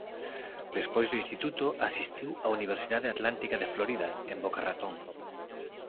Despois do instituto asistiu á Universidade Atlántica de Florida en Boca Raton.